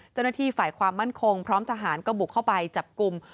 เจ้าหน้าที่ฝ่ายความมั่นคงพร้อมทหารก็บุกเข้าไปจับกลุ่ม